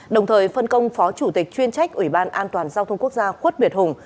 đồng thời phân công phó chủ tịch chuyên trách ủy ban an toàn giao thông quốc gia khuất việt hùng